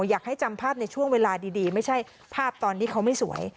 อยากให้จำภาพในช่วงเวลาดีไม่ใช่ภาพตอนที่เขาไม่สวย